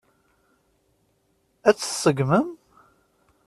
Ad tt-tseggmem?